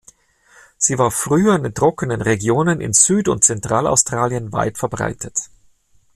Sie war früher in den trockenen Regionen in Süd- und Zentralaustralien weit verbreitet.